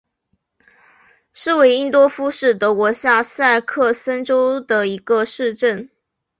施韦因多夫是德国下萨克森州的一个市镇。